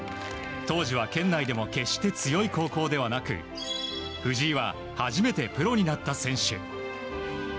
当時は県内でも決して強い高校ではなく藤井は初めてプロになった選手。